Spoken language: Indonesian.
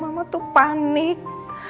mama tuh panik